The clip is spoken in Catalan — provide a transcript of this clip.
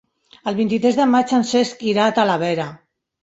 El vint-i-tres de maig en Cesc irà a Talavera.